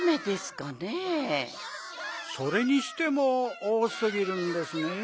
それにしてもおおすぎるんですねぇ。